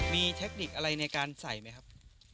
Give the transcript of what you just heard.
มีเทคนิคอะไรในการใส่ไหมครับ